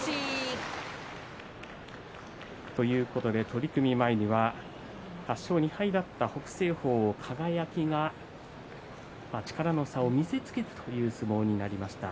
取組前には８勝２敗だった北青鵬を輝が力の差を見せつけるという相撲になりました。